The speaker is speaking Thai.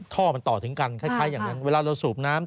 ท่อมันต่อถึงกันคล้ายอย่างนั้นเวลาเราสูบน้ำ